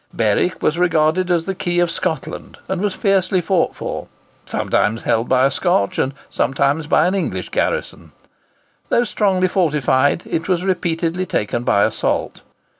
Berwick was regarded as the key of Scotland, and was fiercely fought for, sometimes held by a Scotch and sometimes by an English garrison. Though strongly fortified, it was repeatedly taken by assault.